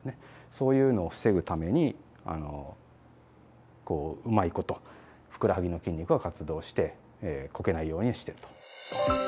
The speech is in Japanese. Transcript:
そういうのを防ぐためにこううまいことふくらはぎの筋肉が活動してこけないようにしてると。